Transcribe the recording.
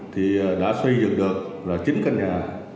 thì đã xây dựng được là chín căn nhà